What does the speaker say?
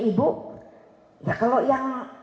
ibu ya kalau yang